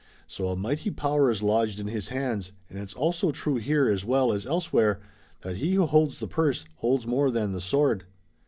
So a mighty power is lodged in his hands and it's also true here, as well as elsewhere, that he who holds the purse holds more than the sword."